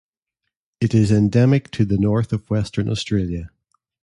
It is endemic to the north of Western Australia.